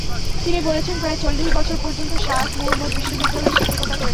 তিনি বলেছেন, প্রায় চল্লিশ বছর পর্যন্ত শায়খ মুহম্মদ বিশ্ববিদ্যালয়ে শিক্ষকতা করেছেন।